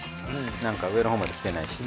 なんか上のほうまで来てないし。